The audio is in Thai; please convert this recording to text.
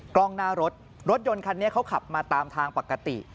กล้องหน้ารถรถยนต์คันนี้เขาขับมาตามทางปกติ